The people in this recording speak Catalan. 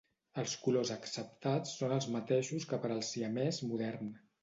Els colors acceptats són els mateixos que per al siamès modern.